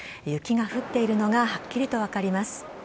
雪が降っているのがはっきりと分かります。